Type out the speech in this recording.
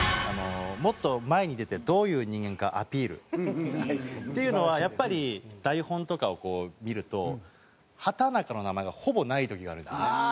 「もっと前に出てどういう人間かアピール」っていうのはやっぱり台本とかをこう見ると「畠中」の名前がほぼない時があるんですよね。